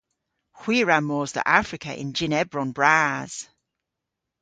Hwi a wra mos dhe Afrika yn jynn ebron bras.